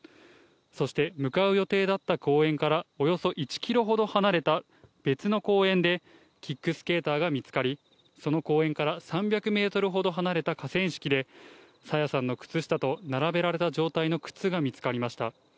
そして、向かう予定だった公園からおよそ１キロほど離れた、別の公園でキックスケーターが見つかり、その公園から３００メートルほど離れた河川敷で、朝芽さんの靴下と並べられた状態の靴が見つかりました。